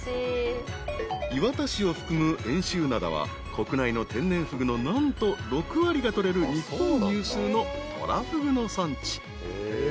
［磐田市を含む遠州灘は国内の天然ふぐの何と６割が取れる日本有数のとらふぐの産地］